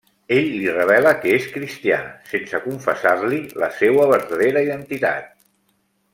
Ell li revela que és cristià, sense confessar-li la seua vertadera identitat.